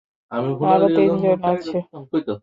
আরো তিনজন আছে।